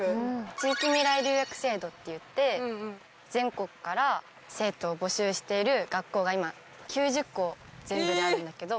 地域みらい留学制度っていって全国から生徒を募集している学校が今９０校全部であるんだけど。